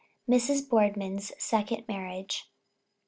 MRS. BOARDMAN'S SECOND MARRIAGE.